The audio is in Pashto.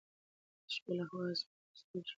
د شپې له خوا اسمان په ستورو ښکلی وي.